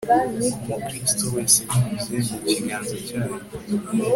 ku Mukristo wese Binyuze mu kiganza cyayo